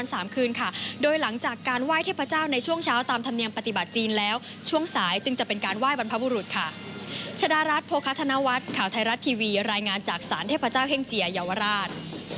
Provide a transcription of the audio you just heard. สารเจ้าพ่อแห่งเจียแห่งนี้มีองค์เทพเจ้าแห่งเจียปางต่างแต่ปางที่สุดคือปางสำเร็จเป็นอรหารแล้ว